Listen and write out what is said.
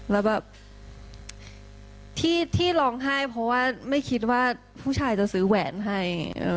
แล้วแบบที่ร้องไห้เพราะว่าไม่คิดว่าผู้ชายจะซื้อแหวนให้